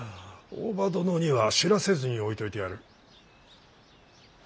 大庭殿には知らせずにおいといてやる。